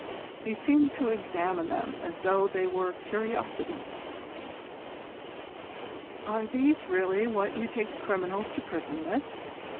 He seemed to examine them as though they were curiosities. "Are these really what you take criminals to prison with?